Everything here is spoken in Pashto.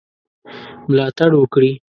ملاتړ وکړي.